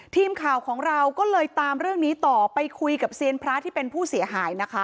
ทีมข่าวของเราก็เลยตามเรื่องนี้ต่อไปคุยกับเซียนพระที่เป็นผู้เสียหายนะคะ